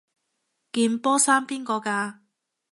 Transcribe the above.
件波衫邊個㗎？